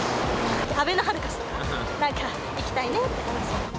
あべのハルカスとか、なんか行きたいねって。